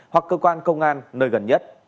hoặc cơ quan công an nơi gần nhất